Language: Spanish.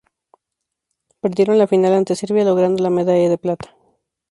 Perdieron la final ante Serbia, logrando la medalla de plata.